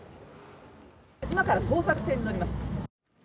今から捜索船に乗ります。